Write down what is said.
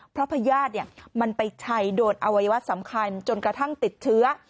เพราะพญาติมันไปชัยโดนอวัยวะสำคัญจนกระทั่งติดเชื้อ